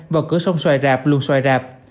vào cửa sông xoài rạp luôn xoài rạp